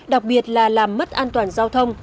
đặc biệt là làm mất an toàn giao thông